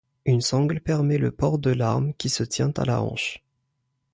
Une sangle permet le port de l'arme qui se tient à la hanche.